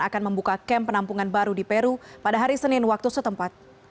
akan membuka camp penampungan baru di peru pada hari senin waktu setempat